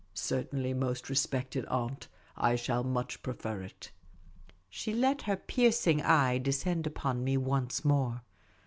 " Certainly, most respected aunt. I shall much prefer it." She let her piercing eye descend upon me once more.